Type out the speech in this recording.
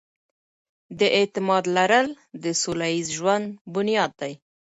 د اعتماد لرل د سوله ييز ژوند بنياد دی.